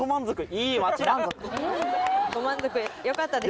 ご満足でよかったです。